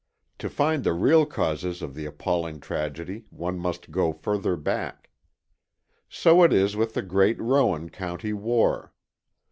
To find the real causes of the appalling tragedy one must go further back. So it is with the great Rowan County war.